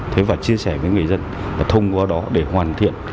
thế và chia sẻ với người dân và thông qua đó để hoàn thiện